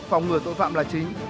phòng ngừa tội phạm là chính